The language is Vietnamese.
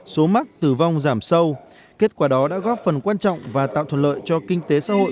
số mắc tử vong giảm sâu kết quả đó đã góp phần quan trọng và tạo thuận lợi cho kinh tế xã hội